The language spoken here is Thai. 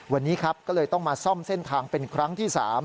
วันนี้ครับก็เลยต้องมาซ่อมเส้นทางเป็นครั้งที่๓